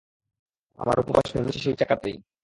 আমার উপবাস ভেঙেছি সেই টাকাতেই।